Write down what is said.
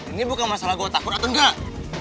ini bukan masalah gue takut atau enggak